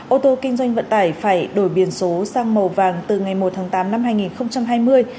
ô tô kinh doanh vận tải phải đổi biển số sang màu vàng từ ngày một tháng tám năm hai nghìn hai mươi